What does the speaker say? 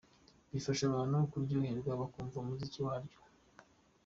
Bifasha abantu kuryoherwa bakumva umuziki nyawo.